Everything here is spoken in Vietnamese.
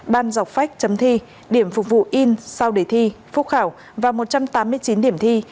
ban dọc phách chấm thi điểm phục vụ in sau đề thi phúc khảo và một trăm tám mươi chín điểm thi